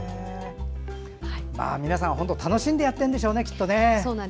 皆さん本当楽しんでやってるんでしょうね。